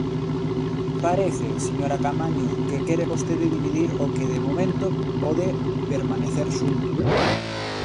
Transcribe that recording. Parece, señora Caamaño, que quere vostede dividir o que, de momento, pode permanecer xunto.